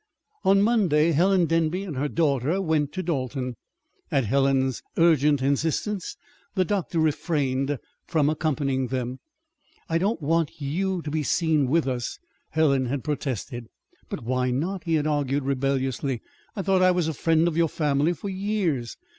On Monday Helen Denby and her daughter went to Dalton. At Helen's urgent insistence the doctor refrained from accompanying them. "I don't want you to be seen with us," Helen had protested. "But why not?" he had argued rebelliously. "I thought I was a friend of your family for years."